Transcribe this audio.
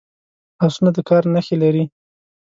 لاسونه د کار نښې لري